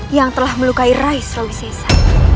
yang telah melukai rais rauhisesa